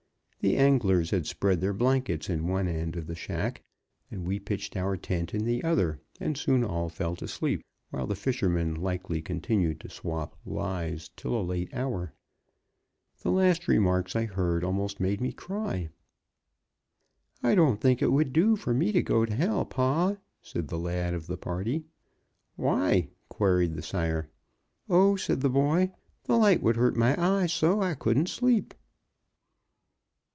The anglers had spread their blankets in one end of the shack, and we pitched our tent in the other and soon fell to sleep, while the fishermen likely continued to swap "lies" till a late hour. The last remarks I heard almost made me cry. "I don't think it would do for me to go to hell, pa," said the lad of the party. "Why?" queried the sire. "Oh," said the boy, "the light would hurt my eyes so, I couldn't sleep."